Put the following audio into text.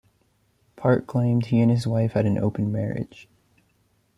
Park claimed he and his wife had an open marriage.